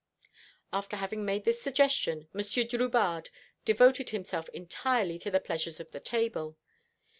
After having made this suggestion, Monsieur Drubarde devoted himself entirely to the pleasures of the table.